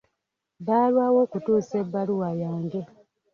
Baalwawo okutuusa ebbaluwa yange.